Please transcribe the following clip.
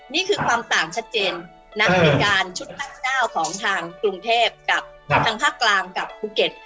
นี่คือความต่างชัดเจนนักบริการชุดตั้ง๙ของทางกรุงเทพกับทางภาคกลางกับภูเก็ต